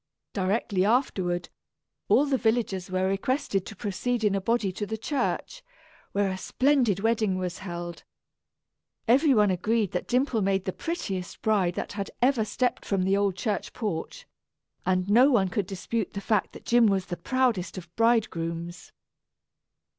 Directly afterward, all the villagers were requested to proceed in a body to the church, where a splendid wedding was held. Everyone agreed that Dimple made the prettiest bride that had ever stepped from the old church porch, and no one could dispute the fact that Jim was the proudest of bridegrooms.